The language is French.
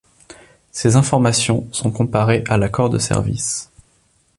Ces informations sont comparées à l'accord de service.